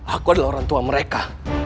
aku adalah orang tua mereka